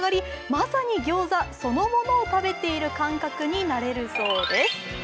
まさにギョーザそのものを食べている感覚になれるそうです。